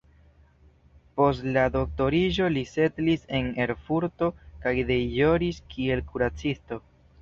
Post la doktoriĝo li setlis en Erfurto kaj deĵoris kiel kuracisto.